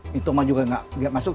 mitoma juga tidak masuk